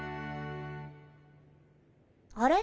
あれ？